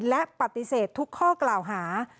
และปฏิเสธทุกข้อกล่าวหา